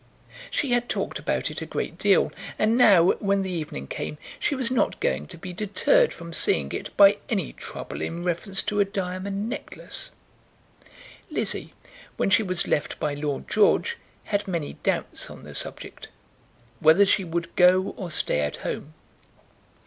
She had talked about it a great deal, and now, when the evening came, she was not going to be deterred from seeing it by any trouble in reference to a diamond necklace. Lizzie, when she was left by Lord George, had many doubts on the subject, whether she would go or stay at home.